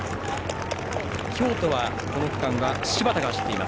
京都は、この区間は柴田が走っています。